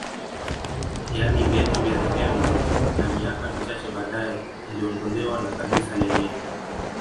Yaani vyeti vya rehema na miaka michache baadae liliondolewa na Kanisa lenyewe